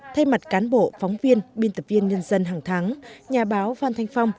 thay mặt cán bộ phóng viên biên tập viên nhân dân hàng tháng nhà báo phan thanh phong